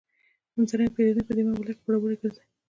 همدارنګه پېرودونکی په دې معامله کې پوروړی ګرځي